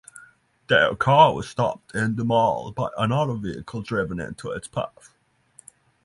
Their car was stopped in the Mall by another vehicle driven into its path.